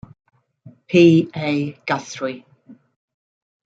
P. A. Guthrie.